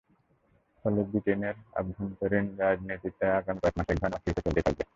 ফলে, ব্রিটেনের অভ্যন্তরীণ রাজনীতিতে আগামী কয়েক মাস একধরনের অস্থিরতা চলতেই থাকবে।